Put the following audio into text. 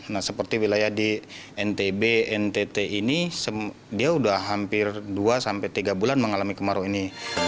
nah seperti wilayah di ntb ntt ini dia sudah hampir dua sampai tiga bulan mengalami kemarau ini